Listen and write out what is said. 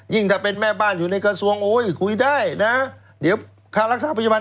ยิ่งถ้าเป็นแม่บ้านอยู่ในกระทรวงโอ๊ยคุยได้นะเดี๋ยวคารักษารักษาผลญี่บัญ